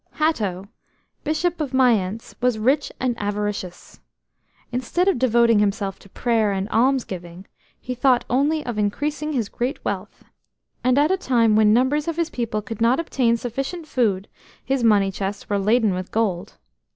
ATTO, Bishop of Mayence, was rich and avaricious. Instead of devoting himself to prayer and almsgiving, he thought only of increasing his great wealth, and at a time when numbers of his people could not obtain sufficient food his money chests were laden with gold.